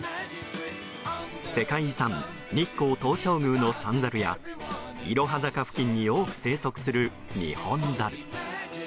世界遺産・日光東照宮の三猿やいろは坂付近に多く生息するニホンザル。